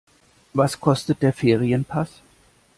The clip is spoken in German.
Was kostet der Ferienpass?